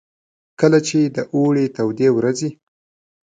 کله چې د اوړې تودې ورځې.